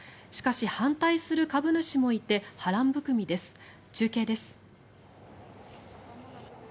しかし、反対する株主もいて波乱含みです。